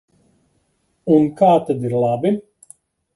Un kā tad ir labi?